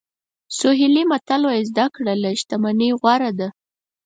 سوهیلي متل وایي زده کړه له شتمنۍ غوره ده.